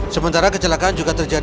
sementara kecelakaan juga terjadi